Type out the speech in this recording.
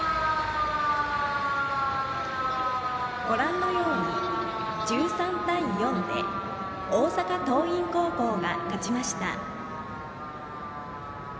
ご覧のように１３対４で大阪桐蔭高校が勝ちました。